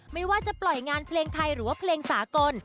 ไม่ว่าจะปล่อยงานเพลงไทยหรือว่าเพลงสากล